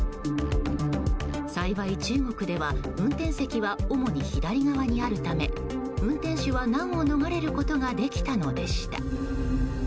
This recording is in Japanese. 幸い、中国では運転席は主に左側にあるため運転手は、難を逃れることができたのでした。